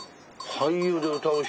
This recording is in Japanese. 俳優で歌う人。